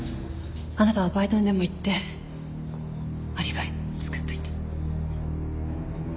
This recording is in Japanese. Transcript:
あなたはバイトにでも行ってアリバイ作っといて。